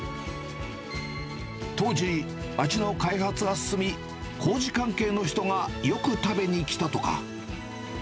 当時、町の開発が進み、工事関係の人がよく食べに来たとか。